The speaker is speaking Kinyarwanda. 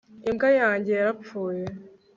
Imbwa yanjye yarapfuye